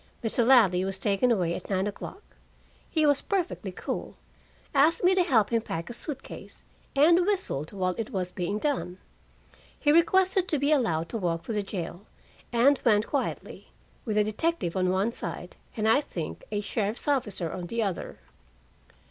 Mr. Ladley was taken away at nine o'clock. He was perfectly cool, asked me to help him pack a suit case, and whistled while it was being done. He requested to be allowed to walk to the jail, and went quietly, with a detective on one side and I think a sheriff's officer on the other.